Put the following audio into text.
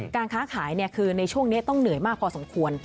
การค้าขายคือในช่วงนี้ต้องเหนื่อยมากพอสมควร